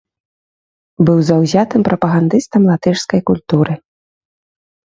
Быў заўзятым прапагандыстам латышскай культуры.